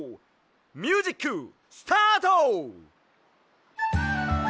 ミュージックスタート！